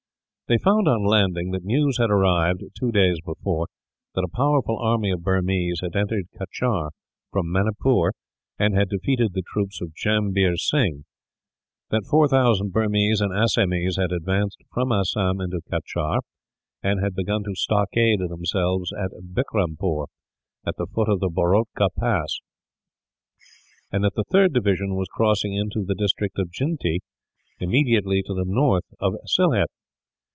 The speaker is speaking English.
They found on landing that news had arrived, two days before, that a powerful army of Burmese had entered Cachar, from Manipur, and had defeated the troops of Jambhir Sing; that 4000 Burmese and Assamese had advanced from Assam into Cachar, and had begun to stockade themselves at Bickrampore, at the foot of the Bhortoka Pass; and that the third division was crossing into the district of Jyntea, immediately to the north of Sylhet.